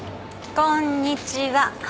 こんにちは。